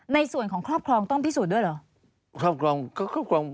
ในส่วนของครอบครองต้องพิสูจน์ด้วยเหรอ